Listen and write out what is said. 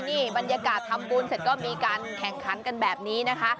นี่บรรยากาศทำบุญเสร็จก็มีการแข่งขันกันแบบนี้นะคะ